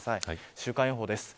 週間予報です。